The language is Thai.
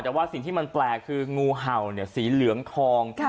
แต่ว่าสิ่งที่มันแปลกคืองูเห่าสีเหลืองทอง